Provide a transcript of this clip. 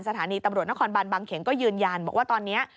สถานีตำรวจนครบันบางเขนก็ยืนยันบอกว่าตอนนี้